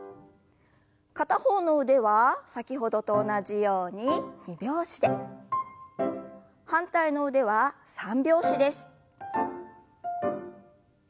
片方の腕は先ほどと同じように二拍子で反対の腕は三拍子です。